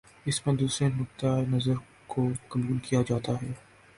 اس میں دوسرے نقطہ ہائے نظر کو قبول کیا جاتا ہے۔